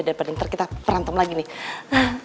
daripada nanti kita berantem lagi nih